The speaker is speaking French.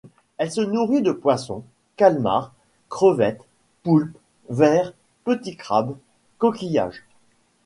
Elle se nourrit de poissons, calmars, crevettes, poulpes, vers, petits crabes, coquillages.